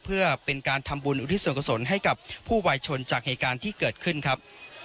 เพื่อเป็นการทำบุญอุทิศส่วนกษลให้กับผู้วายชนจากเหตุการณ์ที่เกิดขึ้นครับ